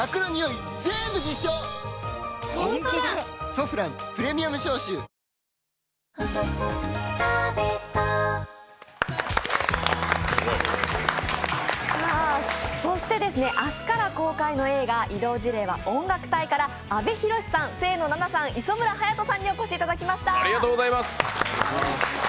「ソフランプレミアム消臭」そして明日から公開の映画「異動辞令は音楽隊！」から阿部寛さん、清野菜名さん磯村勇斗さんにお越しいただきました。